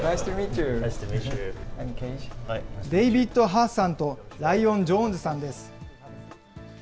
デイビッド・ハさんとライオン・ジョーンズさんです。